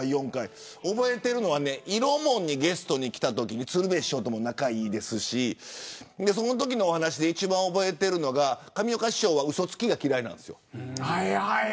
覚えているのはいろもんにゲストに来たときに鶴瓶師匠とも仲がいいですしそのときの話で一番覚えているのが上岡師匠はうそつきが嫌いなんです。